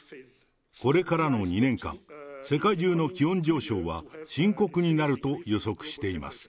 これからの２年間、世界中の気温上昇は深刻になると予測しています。